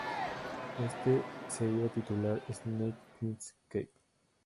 Éste se iba a titular "Snake Plissken’s Escape".